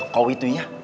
kau itu ya